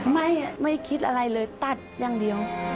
ไม่คิดอะไรเลยตัดอย่างเดียว